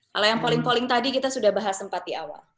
kalau yang polling polling tadi kita sudah bahas sempat di awal